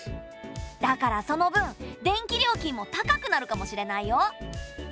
だからその分電気料金も高くなるかもしれないよ。